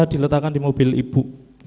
diletakkan di mobil ibu